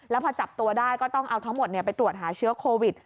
แล้วพอจับตัวได้ก็ต้องเอาทั้งหมดไปตรวจหาเชื้อโควิด